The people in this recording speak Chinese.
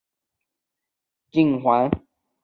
某些种类的胡萝卜素的分子的一端或两端为烃环。